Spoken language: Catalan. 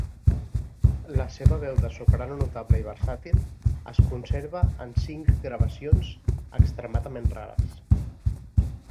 La seva veu de soprano notable i versàtil es conserva en cinc gravacions extremadament rares.